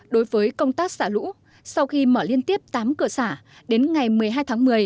đối với công tác xả lũ sau khi mở liên tiếp tám cửa xả đến ngày một mươi hai tháng một mươi